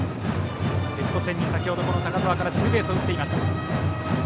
レフト線に高澤から先程ツーベースを打っています。